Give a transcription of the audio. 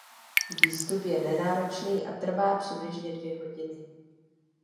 Výstup je nenáročný a trvá přibližně dvě hodiny.